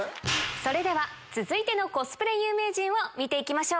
それでは続いてのコスプレ有名人見ていきましょう。